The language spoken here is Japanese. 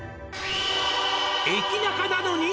「駅ナカなのに」